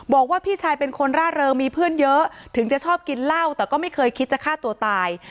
บอกว่าพี่ชายเป็นคนร่าเริงมีเพื่อนเยอะถึงจะชอบกินเหล้าแต่ก็ไม่เคยคิดจะฆ่าตัวตาย